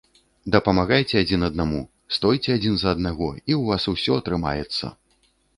Дапамагайце адзін аднаму, стойце адзін за аднаго, і ў вас усё атрымаецца!